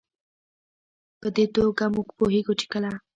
په دې توګه موږ پوهېږو چې کله